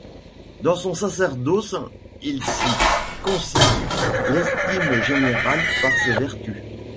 Dans son sacerdoce, il s'y concilie l'estime générale par ses vertus.